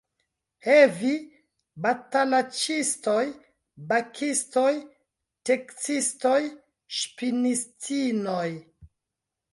He vi, batalaĉistoj, bakistoj, teksistoj, ŝpinistinoj!